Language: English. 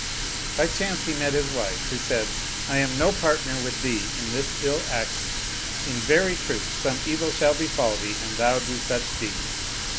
By chance he met his wife who said, " I am no partner with thee in this ill action : in very truth some evil shall befall thee an thou do such deed."